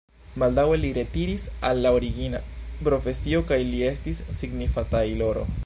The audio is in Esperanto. Baldaŭe li retiris al la origina profesio kaj li estis signifa tajloro.